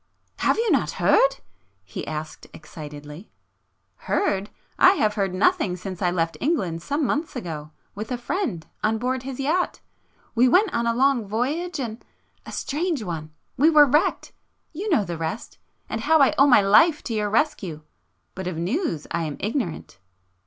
"Have you not heard?" he asked excitedly. "Heard? I have heard nothing since I left England some months ago—with a friend, on board his yacht ... we went on a long voyage and ... a strange one! We were wrecked, ... you know the rest, and how I owe my life to your rescue. But of news I am ignorant